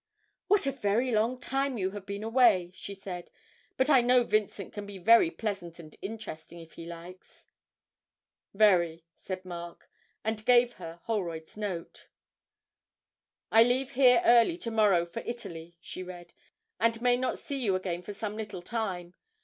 'What a very long time you have been away!' she said; 'but I know Vincent can be very pleasant and interesting if he likes.' 'Very,' said Mark, and gave her Holroyd's note. 'I leave here early to morrow for Italy,' she read, 'and may not see you again for some little time.